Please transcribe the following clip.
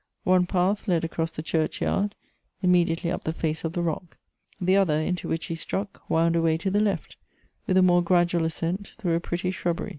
One path led across the churchyard, immediately up the face of the rock. The othei', into which he struck, wound away to the left, with a more gradual ascent, through a pi etty shrubber)'.